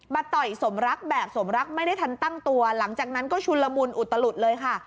ต่อยสมรักแบบสมรักไม่ได้ทันตั้งตัวหลังจากนั้นก็ชุนละมุนอุตลุดเลยค่ะ